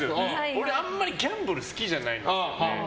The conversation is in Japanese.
俺、あんまりギャンブル好きじゃないんです。